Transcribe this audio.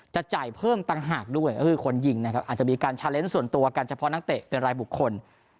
จะจ่ายเพิ่มต่างหากด้วยก็คือคนยิงนะครับอาจจะมีการชาเลนส์ส่วนตัวกันเฉพาะนักเตะเป็นรายบุคคล